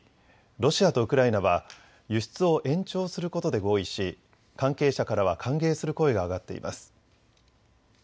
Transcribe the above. ロシアとウクライナは輸出を延長することで合意し関係者からは歓迎する声が上がっています。